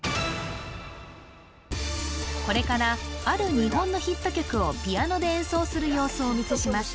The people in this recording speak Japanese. これからある日本のヒット曲をピアノで演奏する様子をお見せします